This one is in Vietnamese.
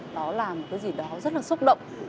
đó là một cái gì đó rất là xúc động